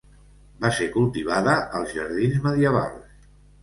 Va ser cultivada als jardins medievals.